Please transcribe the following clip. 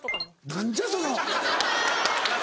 何じゃその。